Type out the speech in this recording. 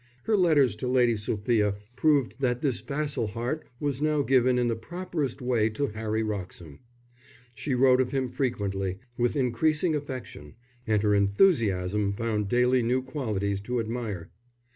Her letters to Lady Sophia proved that this facile heart was now given in the properest way to Harry Wroxham. She wrote of him freely, with increasing affection, and her enthusiasm found daily new qualities to admire.